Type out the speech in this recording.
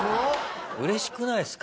うれしくないですか？